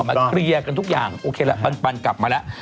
นางก็มาเกลียร์กันทุกอย่างโอเคแล้วปันกลับมาแล้ว